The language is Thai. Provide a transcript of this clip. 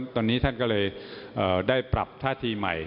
ตอนนี้ท่านก็เลยได้ปรับท่าทีใหม่